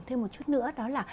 thêm một chút nữa đó là